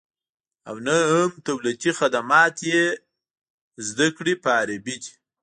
او نه هم دولتي خدمات یې زده کړې په عربي دي